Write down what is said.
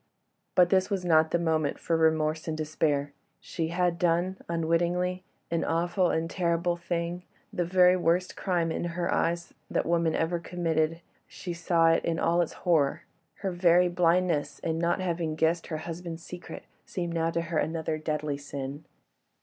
But this was not the moment for remorse and despair. She had done—unwittingly—an awful and terrible thing—the very worst crime, in her eyes, that woman ever committed—she saw it in all its horror. Her very blindness in not having guessed her husband's secret seemed now to her another deadly sin.